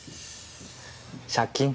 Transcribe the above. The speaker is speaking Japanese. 借金？